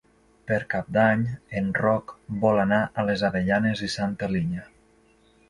Per Cap d'Any en Roc vol anar a les Avellanes i Santa Linya.